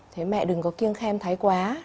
thế mẹ đừng có kiêng khem thái quá